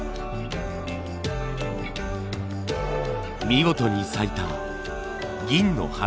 見事に咲いた銀の花。